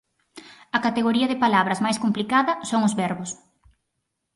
A categoría de palabras máis complicada son os verbos.